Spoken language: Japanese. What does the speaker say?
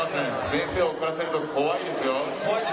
先生を怒らせると怖いですよ。